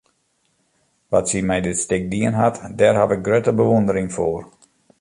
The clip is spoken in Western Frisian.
Wat sy mei dit stik dien hat, dêr haw ik grutte bewûndering foar.